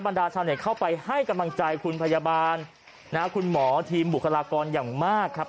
ดาชาวเน็ตเข้าไปให้กำลังใจคุณพยาบาลนะฮะคุณหมอทีมบุคลากรอย่างมากครับ